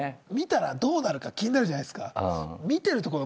見たらどうなるか気になるじゃないですか。